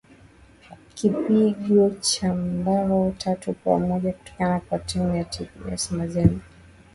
kipigo cha mbao tatu kwa moja kutoka kwa timu ya tp mazembe